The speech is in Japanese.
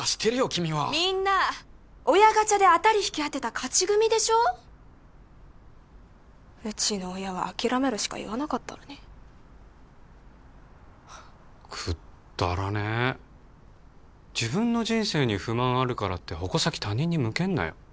君はみんな親ガチャで当たり引き当てた勝ち組でしょうちの親は諦めろしか言わなかったのにくっだらねえ自分の人生に不満あるからって矛先他人に向けんなよ